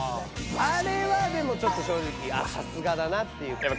あれはでもちょっと正直さすがだなっていう。